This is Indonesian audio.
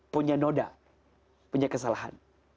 punya noda punya kesalahan